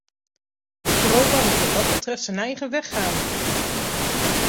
Europa moet wat dat betreft zijn eigen weg gaan!